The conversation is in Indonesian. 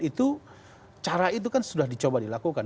dan itu cara itu kan sudah dicoba dilakukan